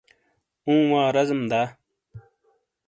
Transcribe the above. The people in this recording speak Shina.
اوں وا رازیم دا؟